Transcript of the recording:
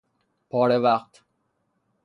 پاره وقت